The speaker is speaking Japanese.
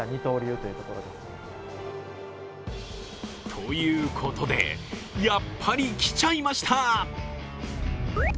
ということでやっぱり来ちゃいました！